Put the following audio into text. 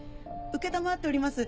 承っております。